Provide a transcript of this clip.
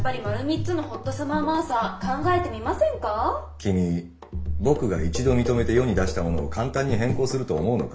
君僕が一度認めて世に出したものを簡単に変更すると思うのか？